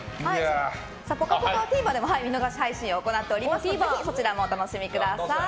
「ぽかぽか」はＴＶｅｒでも見逃し配信を行ってますのでぜひそちらもお楽しみください。